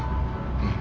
うん。